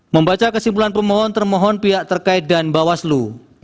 membaca kesimpulan pemohon termohon pihak terkait dan bawaslu